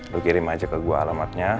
lu kirim aja ke gue alamatnya